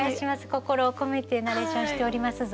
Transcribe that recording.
心を込めてナレーションしておりますぞ。